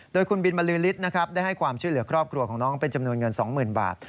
โดยคุณบินบรือฤทธิ์นะครับได้ให้ความช่วยเหลือครอบครัวของน้องเป็นจำนวนเงิน๒๐๐๐บาท